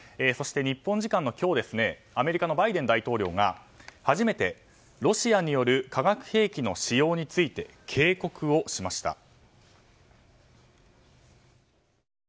そして、日本時間の今日アメリカのバイデン大統領が初めてロシアによる化学兵器の使用について警告をしました。